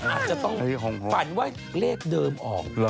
อาจจะต้องฝันว่าเลขเดิมออก